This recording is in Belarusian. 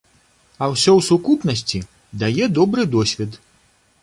А ўсё ў сукупнасці дае добры досвед.